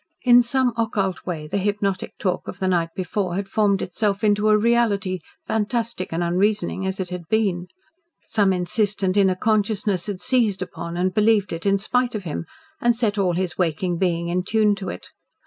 In some occult way the hypnotic talk of the night before had formed itself into a reality, fantastic and unreasoning as it had been. Some insistent inner consciousness had seized upon and believed it in spite of him and had set all his waking being in tune to it.